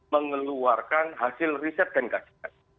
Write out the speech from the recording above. mengeluarkan hasil riset dan kajian